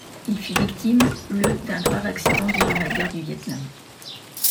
Il fut victime, le d’un grave accident durant la guerre du Viêt Nam.